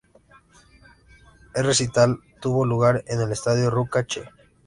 El recital tuvo lugar en el estadio Ruca Che.